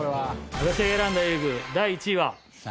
私が選んだ遊具第１位は。